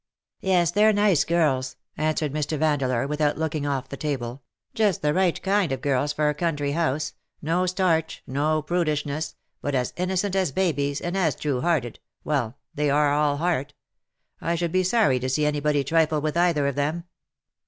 "Yes, they^re nice girls, " answered Mr. Van deleur, without looking off the table; "just the right kind of girls for a country house : no starch, no prudishness, but as innocent as babies, and as true hearted — well, they are all heart. I should be sorry to see anybody trifle with either of them.